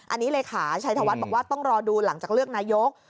อันนี้เลขาชัยธวัฒน์บอกว่าต้องรอดูหลังจากเลือกนายก